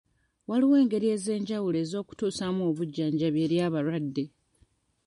Waliwo engeri ez'enjawulo ez'okutusaamu obujjanjabi eri abalwadde.